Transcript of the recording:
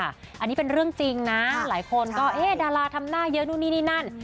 อันนี้เป็นเรื่องจริงนะหลายคนก็เอ๊ะดาราทำหน้าเยอะนู่นนี่นี่นั่น